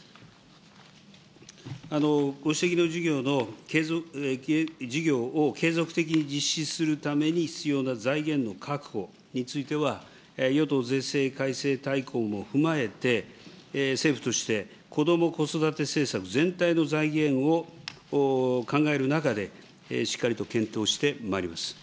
ご指摘の事業を継続的に実施するために必要な財源の確保については、与党税制改正大綱も踏まえて、政府としてこども・子育て政策全体の財源を考える中で、しっかりと検討してまいります。